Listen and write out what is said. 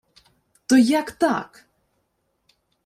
— То як так?